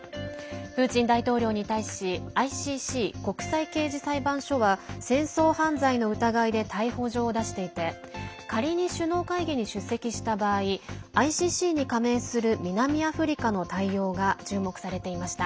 プーチン大統領に対しＩＣＣ＝国際刑事裁判所は戦争犯罪の疑いで逮捕状を出していて仮に首脳会議に出席した場合ＩＣＣに加盟する南アフリカの対応が注目されていました。